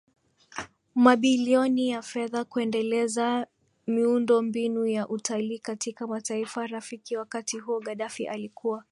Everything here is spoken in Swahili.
mabilioni ya fedha kuendeleza miundombinu ya utalii katika mataifa rafiki Wakati huo Gaddafi alikuwa